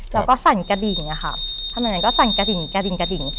แล้วก็สั่นกระดิ่งอะค่ะถนนนั้นก็สั่นกระดิ่งกระดิ่งกระดิ่ง